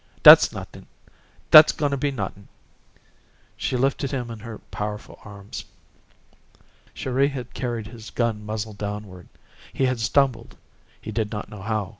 Dat's nuttin'; dat goin' be nuttin'." She lifted him in her powerful arms. Chéri had carried his gun muzzle downward. He had stumbled,—he did not know how.